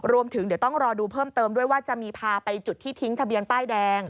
รวมถึงเดี๋ยวต้องรอดูเพิ่มเติมด้วยว่าจะมีพาไปจุดที่ทิ้งทะเบียนป้ายแดง